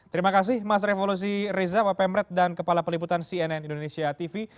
terima kasih mas revolusi reza wapemret dan kepala peliputan cnn indonesia tv